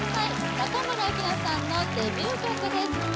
中森明菜さんのデビュー曲です